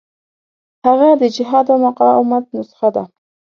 هغه د جهاد او مقاومت نسخه ده.